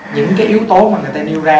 những cái yếu tố mà người ta nêu ra